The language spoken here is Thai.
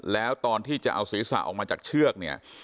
แล้วตอนที่จะเอาศีรษะออกมาจากเชือกเนี่ย